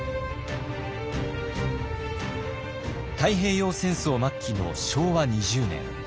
太平洋戦争末期の昭和２０年。